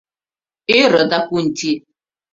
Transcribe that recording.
— ӧрӧ Дакунти.